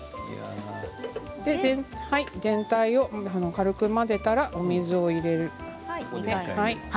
全体を軽く混ぜたらお水を入れます。